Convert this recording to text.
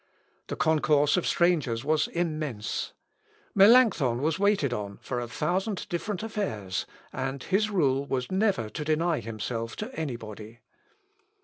The concourse of strangers was immense. Melancthon was waited on for a thousand different affairs, and his rule was never to deny himself to any body.